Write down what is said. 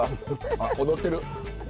あ踊ってる。